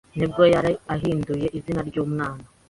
nubwo yari ahinduye izina ry’umwana .